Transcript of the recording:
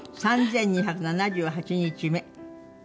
「３２７８日目」